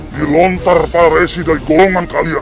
di lontar para resi dari golongan kalian